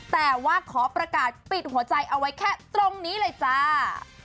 แต่ว่าขอประกาศปิดหัวใจเอาไว้แค่ตรงนี้เลยจ้า